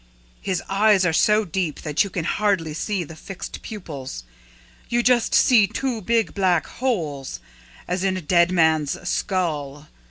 His eyes are so deep that you can hardly see the fixed pupils. You just see two big black holes, as in a dead man's skull.